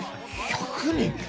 １００人